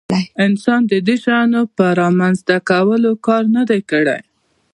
انسان د دې شیانو په رامنځته کولو کار نه دی کړی.